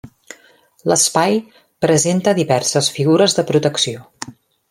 L'espai presenta diverses figures de protecció.